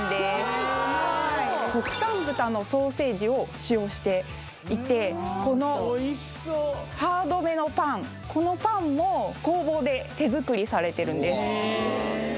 めっちゃおいしそう国産豚のソーセージを使用していてこのおいしそうハードめのパンこのパンも工房で手作りされてるんですへえ